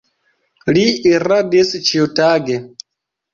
Li iradis ĉiutage.